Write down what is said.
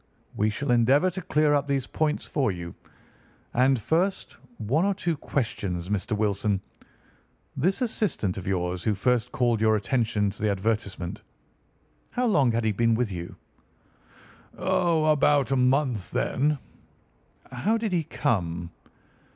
"We shall endeavour to clear up these points for you. And, first, one or two questions, Mr. Wilson. This assistant of yours who first called your attention to the advertisement—how long had he been with you?" "About a month then." "How did he come?"